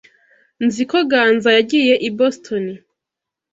Nzi ko Ganza yagiye i Boston.